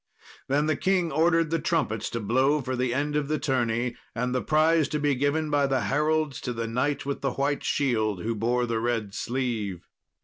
Then the king ordered the trumpets to blow for the end of the tourney, and the prize to be given by the heralds to the knight with the white shield who bore the red sleeve.